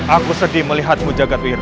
aku sedih melihatmu jagadwira